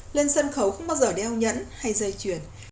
lên sân khấu không bao giờ đeo nhẫn hay dây chuyền